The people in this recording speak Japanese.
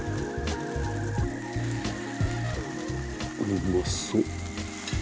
「うまそう！」